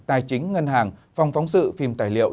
tài chính ngân hàng phòng phóng sự phim tài liệu